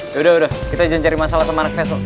yaudah kita jangan cari masalah sama anak vespa